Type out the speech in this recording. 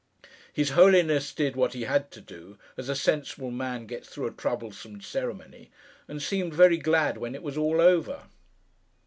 His Holiness did what he had to do, as a sensible man gets through a troublesome ceremony, and seemed very glad when it was all over.